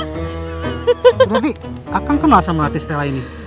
berarti akang kenal sama latis tela ini